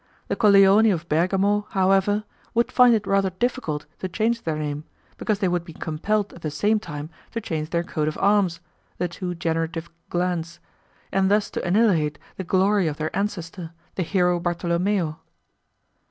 The Coleoni of Bergamo, however, would find it rather difficult to change their name, because they would be compelled at the same time to change their coat of arms (the two generative glands), and thus to annihilate the glory of their ancestor, the hero Bartholomeo.